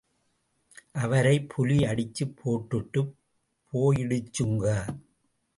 அவரை புலி அடிச்சு போட்டுட்டு போயிடுச்சுங்க!